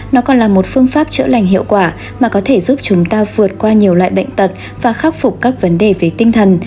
nó còn là một phương pháp chữa lành hiệu quả mà có thể giúp chúng ta vượt qua nhiều loại bệnh tật và khắc phục các vấn đề về tinh thần